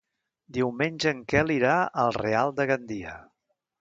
Diumenge en Quel irà al Real de Gandia.